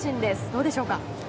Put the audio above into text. どうでしょうか？